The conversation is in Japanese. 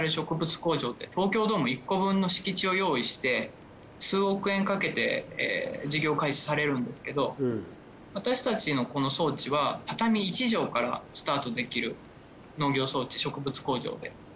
工場って東京ドーム１個分の敷地を用意して数億円かけて事業開始されるんですけど私たちのこの装置はたたみ１畳からスタートできる農業装置植物工場で。